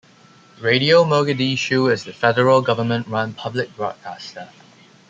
Radio Mogadishu is the federal government-run public broadcaster.